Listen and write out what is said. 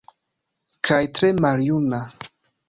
Kaj tre maljuna.